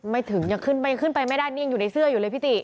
ไม่ถึงยังขึ้นไปยังขึ้นไปไม่ได้นี่ยังอยู่ในเสื้ออยู่เลยพี่ติ